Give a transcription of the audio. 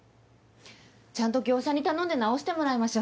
ちゃんと業者に頼んで直してもらいましょう。